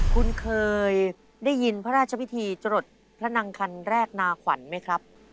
คุณเคยได้ยินพระราชพิธีจรดพระนางคันแรกนาขวัญไหมครับ